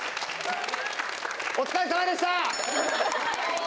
お疲れさまでした！